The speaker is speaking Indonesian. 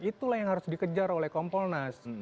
itulah yang harus dikejar oleh kompolnas